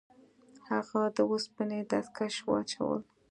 هغه د اوسپنې دستکش واچول.